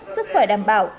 sức khỏe đảm bảo